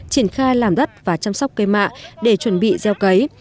triển khai làm đất và chăm sóc cây mạ để chuẩn bị gieo cấy